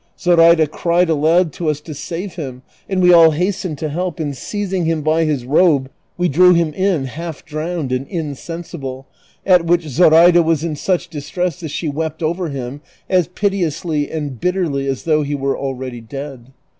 Zoraida cried aloud to us to save him, and we all hastened to help, aud seiz ing him by his robe we drew him in half drowned and insensible, at which Zoraida was in such distress that she wept over him as jiite ously and bitterly as though he were already dead.